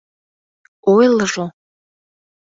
— Ойлыжо!